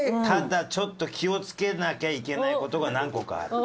「ただちょっと気をつけなきゃいけない事が何個かある」。